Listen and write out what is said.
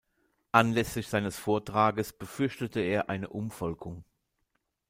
Anlässlich seines Vortrages befürchtete er eine „Umvolkung“.